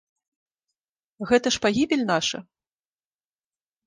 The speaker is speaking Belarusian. Гэта ж пагібель наша?